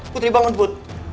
putri bangun put